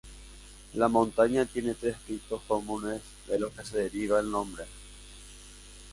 La montaña tiene tres picos comunes de los que se deriva el nombre.